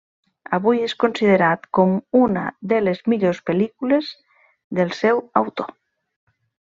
Avui és considerat com una de les millors pel·lícules del seu autor.